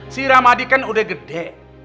si ramadi kan udah gede